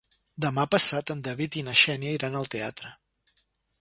Demà passat en David i na Xènia iran al teatre.